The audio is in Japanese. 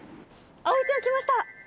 あおいちゃん来ました！